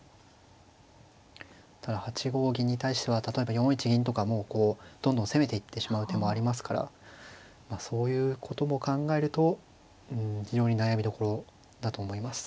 ただ８五銀に対しては例えば４一銀とかもうこうどんどん攻めていってしまう手もありますからそういうことも考えると非常に悩みどころだと思います。